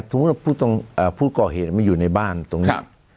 สมมุติว่าผู้ก่อเหตุไม่อยู่ในบ้านตรงนี้